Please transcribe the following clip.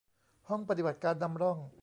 ห้องปฏิบัติการนำร่อง